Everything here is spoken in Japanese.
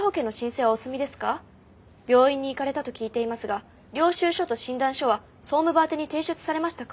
病院に行かれたと聞いていますが領収書と診断書は総務部宛てに提出されましたか？